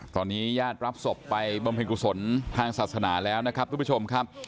ตอนนี้ญาติรับศพไปบำเพ็ญกุศลทางศาสนาแล้วนะครับทุกผู้ชมครับ